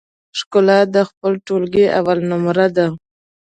ښکلا د خپل ټولګي اول نمره ده